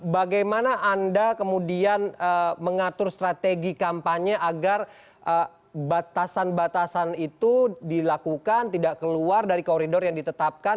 bagaimana anda kemudian mengatur strategi kampanye agar batasan batasan itu dilakukan tidak keluar dari koridor yang ditetapkan